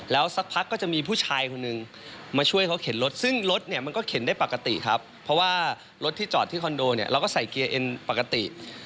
แล้วสักพักก็จะมีผู้ชายคนนึงมาช่วยเขาเข็นรถซึ่งรถเนี่ยมันก็เข็นได้ปกติครับเพราะว่ารถที่จอดที่คอนโดเนี่ยเราก็ใส่เกียร์เอ็นปกติ